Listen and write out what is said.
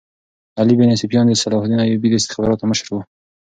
علي بن سفیان د صلاح الدین ایوبي د استخباراتو مشر وو.